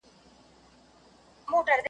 جهاني، غزل ، کتاب وي ستا مستي وي ستا شباب وي .